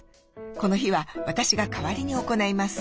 この日は私が代わりに行います。